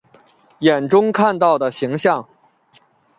眼中看到的形象